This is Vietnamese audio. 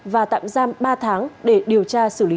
và tạm giam ba tháng để điều tra xử lý